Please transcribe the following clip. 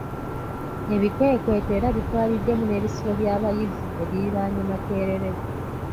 Ebikwekweto era bitwaliddemu n'ebisulo by'abayizi ebiriraanye Makerere.